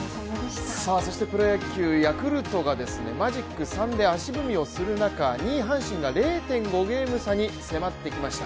そしてプロ野球ヤクルトがマジック３で足踏みをする中２位・阪神が０．５ゲーム差に迫ってきました。